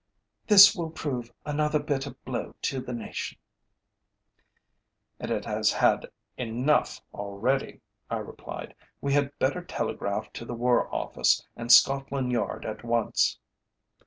This will prove another bitter blow to the nation." "And it has had enough already," I replied. "We had better telegraph to the War Office and Scotland Yard at once."